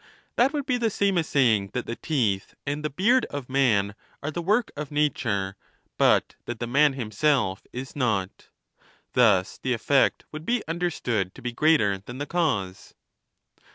That would be the same as saying that the teeth and the beard of man are the work of nature, but that the man himself is not. Thus the effect would be understood to be great er than the cause.